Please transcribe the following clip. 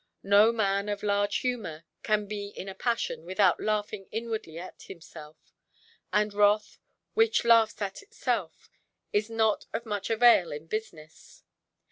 No man of large humour can be in a passion, without laughing inwardly at himself. And wrath, which laughs at itself, is not of much avail in business.